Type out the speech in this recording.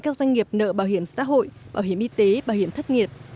các doanh nghiệp nợ bảo hiểm xã hội bảo hiểm y tế bảo hiểm thất nghiệp